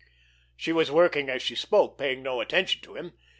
She was working as she spoke, paying no attention to him.